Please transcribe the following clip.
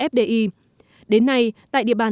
fdi đến nay tại địa bàn